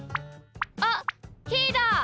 あっひーだ！